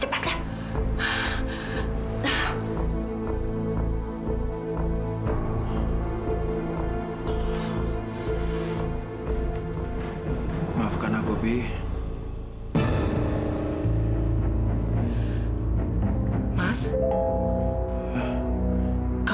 tidak tidak tak kacau selalu